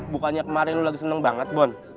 bukannya kemarin lo lagi seneng banget bond